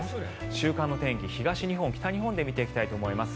週間の天気、東日本、北日本で見ていきたいと思います。